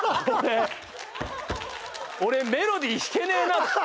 俺メロディー弾けねえな。